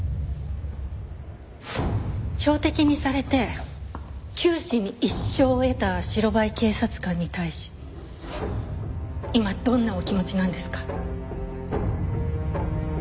標的にされて九死に一生を得た白バイ警察官に対し今どんなお気持ちなんですか？